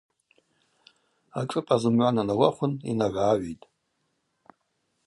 Ашӏыпӏа зымгӏва нанауахвын йнагӏвгӏагӏвитӏ.